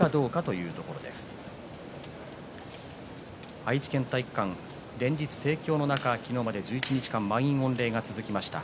愛知県体育館、連日盛況の中昨日まで１１日満員御礼が続いています。